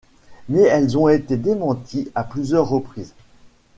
Mais elles ont été démenties à plusieurs reprises.